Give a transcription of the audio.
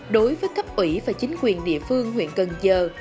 đối với cấp ủy và chính quyền địa phương huyện cần giờ